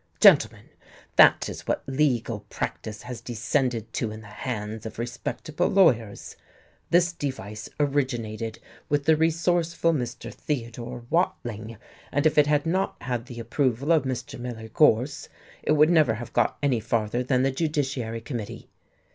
Gentlemen, that is what 'legal practice' has descended to in the hands of respectable lawyers. This device originated with the resourceful Mr. Theodore Watling, and if it had not had the approval of Mr. Miller Gorse, it would never have got any farther than the judiciary committee.